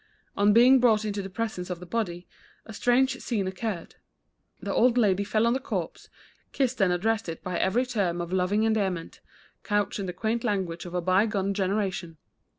On being brought into the presence of the body, a strange scene occurred: the old lady fell on the corpse, kissed and addressed it by every term of loving endearment, couched in the quaint language of a by gone generation.